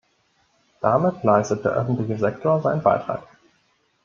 Damit leistet der öffentliche Sektor seinen Beitrag.